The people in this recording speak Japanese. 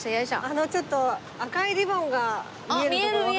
あのちょっと赤いリボンが見える所わかりますか？